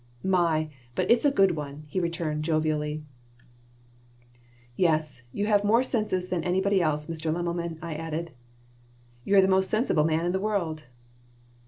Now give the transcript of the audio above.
"My, but it's a good one," he returned, jovially "Yes, you have more senses than anybody else, Mr. Lemmelmann," I added. "You're the most sensible man in the world."